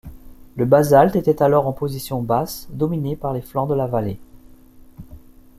Le basalte était alors en position basse, dominé par les flancs de la vallée.